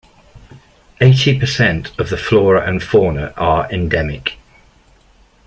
Eighty percent of the flora and fauna are endemic.